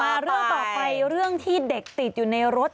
เรื่องต่อไปเรื่องที่เด็กติดอยู่ในรถ